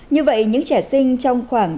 như vậy những trẻ sinh trong khoảng